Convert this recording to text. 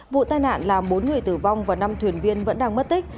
vụ tai nạn làm bốn người tử vong và năm thuyền viên vẫn đang mất tích